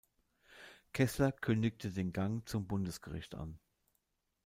Kessler kündigte den Gang zum Bundesgericht an.